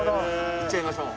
行っちゃいましょう。